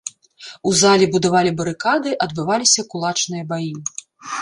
У залі будавалі барыкады, адбываліся кулачныя баі.